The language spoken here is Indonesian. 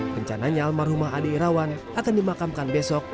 rencananya almarhumah adi irawan akan dimakamkan besok